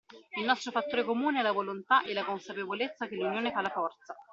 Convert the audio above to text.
Il nostro fattore comune è la volontà e la consapevolezza che l’unione fa la forza.